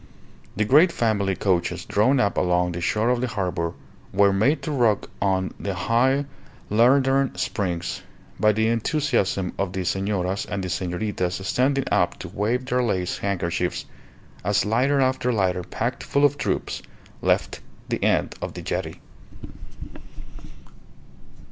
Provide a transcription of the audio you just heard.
The great family coaches drawn up along the shore of the harbour were made to rock on the high leathern springs by the enthusiasm of the senoras and the senoritas standing up to wave their lace handkerchiefs, as lighter after lighter packed full of troops left the end of the jetty.